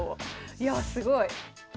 いやすごい。